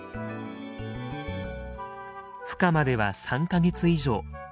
ふ化までは３か月以上。